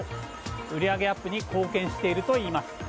売り上げアップに貢献しているといいます。